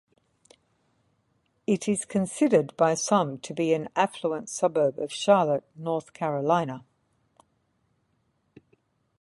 It is considered by some to be an affluent suburb of Charlotte, North Carolina.